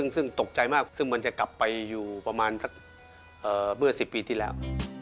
ซึ่งตกใจมากซึ่งมันจะกลับไปอยู่ประมาณสักเมื่อ๑๐ปีที่แล้ว